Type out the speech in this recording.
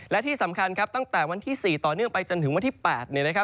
และที่สำคัญครับตั้งแต่วันที่๔ต่อเนื่องไปจนถึงวันที่๘